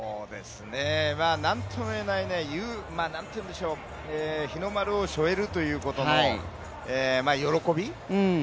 なんともいえない、日の丸をしょえるということの喜び？